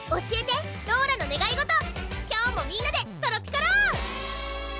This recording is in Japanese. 今日もみんなでトロピカろう！